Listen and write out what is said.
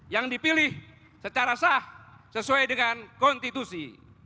yang dipilih secara sah sesuai dengan konstitusi